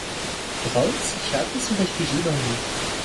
Brown s'échappe et se réfugie dans l'île.